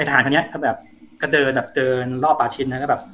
ไอ้ทหารเค้าเนี้ยเขาแบบก็เดินแบบเดินรอบปลาชินแล้วก็แบบ